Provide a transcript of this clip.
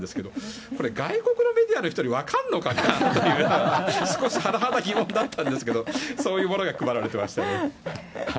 これ、外国のメディアの人に分かるのかな？というのははなはだ疑問でしたけどそういうものが配られましたね。